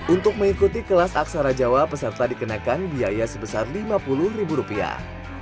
untuk mengikuti kelas aksara jawa peserta dikenakan biaya sebesar lima puluh ribu rupiah